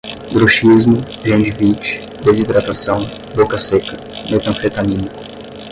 bruxismo, gengivite, desidratação, boca seca, metanfetamina